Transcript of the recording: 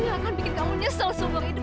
yang akan bikin kamu nyesel seumur hidup